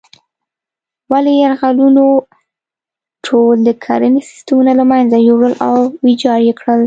ولې یرغلونو ټول د کرنې سیسټمونه له منځه یوړل او ویجاړ یې کړل.